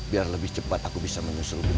biar lebih cepat aku bisa menyerupi mara ke jakarta